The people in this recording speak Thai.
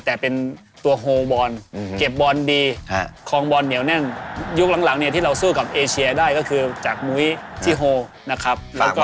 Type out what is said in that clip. แต่เป็นตัวโฮบอลเก็บบอลดีคลองบอลเหนียวแน่นยุคหลังเนี่ยที่เราสู้กับเอเชียได้ก็คือจากมุ้ยที่โฮนะครับ